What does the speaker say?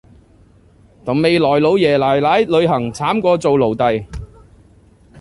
同未來老爺奶奶旅行慘過做奴隸